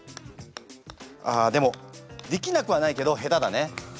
あでもできなくはないけど下手だね。